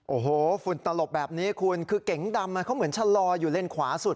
โอ้โหฝุ่นตลบแบบนี้คุณคือเก๋งดำเขาเหมือนชะลออยู่เลนขวาสุด